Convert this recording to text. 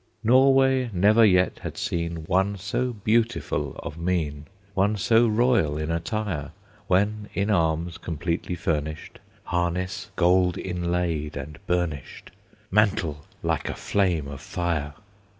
Norway never yet had seen One so beautiful of mien, One so royal in attire, When in arms completely furnished, Harness gold inlaid and burnished, Mantle like a flame of fire.